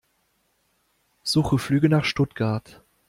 Suche Flüge nach Stuttgart.